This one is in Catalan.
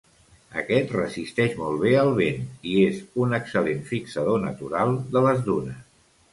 Aquest resisteix molt bé el vent i és un excel·lent fixador natural de les dunes.